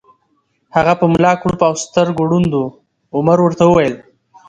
هغه په ملا کړوپ او سترګو ړوند و، عمر ورته وویل: